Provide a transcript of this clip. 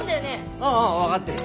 ああ分かってる。